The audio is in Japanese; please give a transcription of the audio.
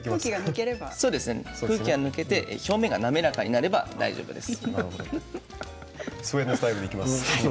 空気が抜けて表面が滑らかになればＯＫです。